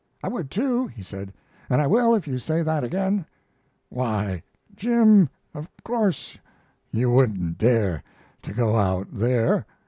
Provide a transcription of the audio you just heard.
"I would too," he said, "and I will if you say that again." "Why, Jim, of course you wouldn't dare to go out there.